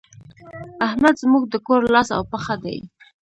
احمد زموږ د کور لاس او پښه دی.